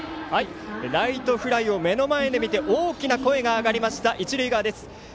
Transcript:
ライトフライを目の前で見て大きな声が上がりました一塁側です。